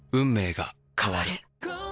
変わる。